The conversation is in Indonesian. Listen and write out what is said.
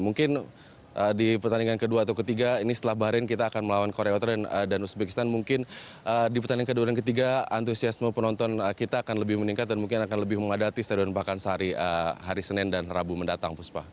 mungkin di pertandingan ke dua atau ke tiga ini setelah baharin kita akan melawan korea world tour dan uzbekistan mungkin di pertandingan ke dua dan ke tiga antusiasme penonton kita akan lebih meningkat dan mungkin akan lebih mengadati stadion pakansari hari senin dan rabu mendatang